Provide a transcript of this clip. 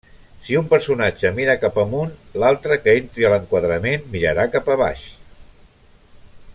Si un personatge mira cap amunt, l'altre que entri a l'enquadrament mirarà cap a baix.